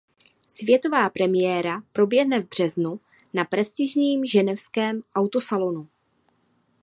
Světová premiéra proběhne v březnu na prestižním ženevském autosalonu.